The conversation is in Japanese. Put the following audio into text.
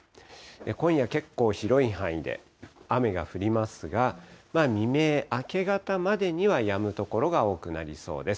今夜、結構広い範囲で雨が降りますが、未明、明け方までにはやむ所が多くなりそうです。